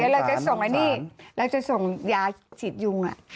เราจะส่งยาฉีดยุง